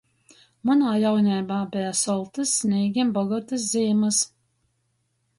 Munā jauneibā beja soltys, snīgim bogotys zīmys.